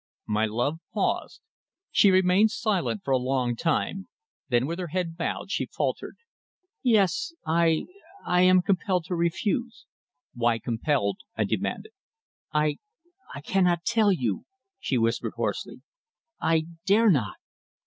My love paused. She remained silent for a long time. Then, with her head bowed, she faltered: "Yes. I I am compelled to refuse." "Why compelled?" I demanded. "I I cannot tell you," she whispered hoarsely. "I dare not."